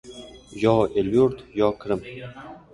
Yo, el-yurt, yo, kirim!